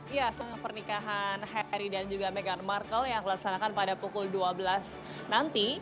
ya pernikahan harry dan juga meghan markle yang dilaksanakan pada pukul dua belas nanti